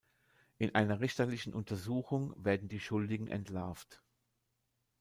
In einer richterlichen Untersuchung werden die Schuldigen entlarvt.